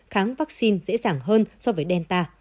kháng vaccine dễ dàng hơn so với delta